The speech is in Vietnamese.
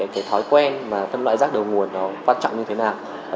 cái thói quen mà phân loại rác đầu nguồn nó quan trọng như thế nào